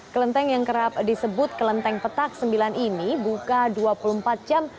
kelenteng yang kerap disebut kelenteng petak sembilan ini buka dua puluh empat jam